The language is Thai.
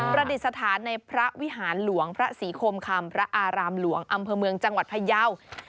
ประดิษฐานในพระวิหารหลวงพระศรีคมคำพระอารามหลวงอำเภอเมืองจังหวัดพยาว